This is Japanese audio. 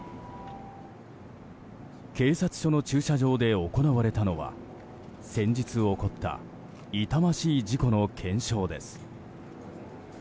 警察署の駐車場で行われたのは先日起こった痛ましい事故の検証です。